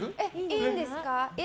いいんですか？